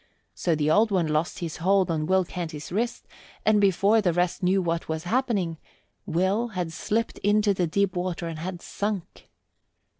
So the Old One lost his hold on Will Canty's wrist and before the rest knew what was happening Will had slipped into the deep water and had sunk.